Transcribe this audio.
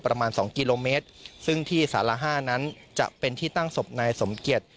ประมาณสองกิโลเมตรซึ่งที่สารห้านั้นจะเป็นที่ตั้งศพนายสมเกียจ